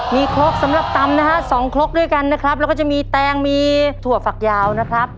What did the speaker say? มีครกสำหรับตำนะฮะสองครกด้วยกันนะครับแล้วก็จะมีแตงมีถั่วฝักยาวนะครับ